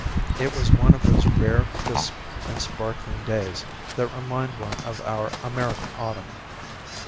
It was one of those rare crisp and sparkling days that remind one of our American autumn.